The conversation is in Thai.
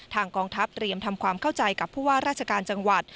กองทัพเตรียมทำความเข้าใจกับผู้ว่าราชการจังหวัด